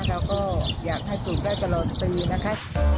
เราก็อยากให้ปลูกได้ตลอดปีนะคะ